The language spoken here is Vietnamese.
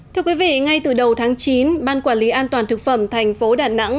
thưa quý vị ngay từ đầu tháng chín ban quản lý an toàn thực phẩm thành phố đà nẵng